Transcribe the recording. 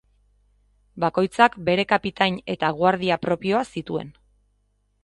Bakoitzak bere kapitain eta guardia propioa zituen.